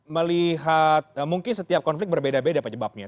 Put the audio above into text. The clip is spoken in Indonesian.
melihat mungkin setiap konflik berbeda beda pak jebabnya